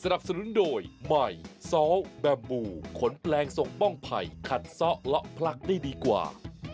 สนุนโดยใหม่ซ้อแบบบูขนแปลงส่งป้องไผ่ขัดซ้อเลาะพลักได้ดีกว่า